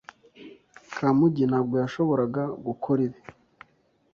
Kamugi ntabwo yashoboraga gukora ibi.